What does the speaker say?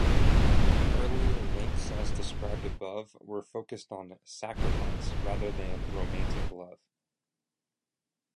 Earlier links as described above were focused on "sacrifice" rather than romantic love.